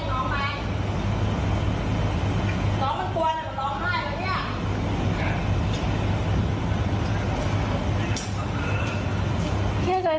มันวิ่งตามมาด้วย